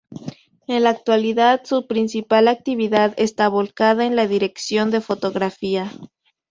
En la actualidad, sus principal actividad está volcada en la dirección de fotografía.